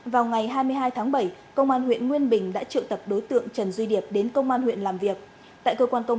vào ngày hai mươi hai tháng bảy công an huyện nguyên bình đã trự tập đối tượng trần duy điệp đến công an huyện làm việc